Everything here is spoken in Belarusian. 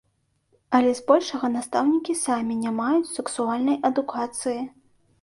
Але збольшага настаўнікі самі не маюць сексуальнай адукацыі.